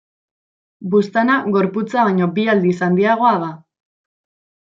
Buztana gorputza baino bi aldiz handiagoa da.